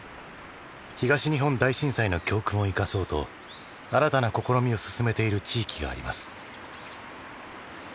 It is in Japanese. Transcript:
東日本大震災の教訓を生かそうと新たな試みを進めている地域があります。